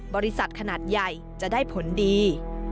บริษัทขนาดใหญ่จะได้ผลดี